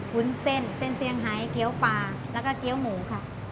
วุ้นเส้นเส้นเซียงไฮเกี้ยวปลาแล้วก็เกี้ยวหมูค่ะ